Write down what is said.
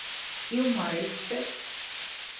Илмар әйтте!